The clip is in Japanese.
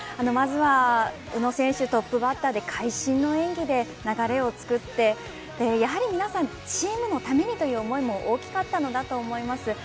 まずは宇野選手トップバッターで、会心の演技で流れを作ってやはり皆さんチームのためにという思いも大きかったと思います。